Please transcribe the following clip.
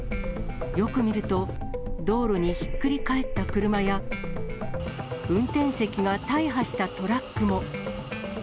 よく見ると、道路にひっくり返った車や、運転席が大破したトラックも。